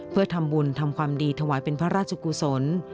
เพื่อทำบุญทำความดีถวายเป็นพระราชกุศล